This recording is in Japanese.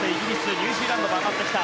ニュージーランドも上がってきた。